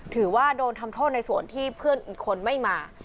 ถือว่าโดนทำโทษในส่วนที่เพื่อนอีกคนไม่มา